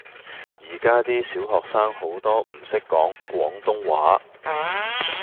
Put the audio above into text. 而家 D 小學生好多唔識講廣東話